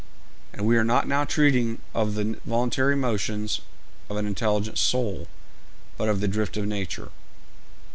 And we are not now treating of the voluntary motions of an intelligent soul, but of the drift of nature.